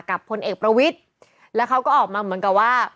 พลเอกประวิทย์แล้วเขาก็ออกมาเหมือนกับว่า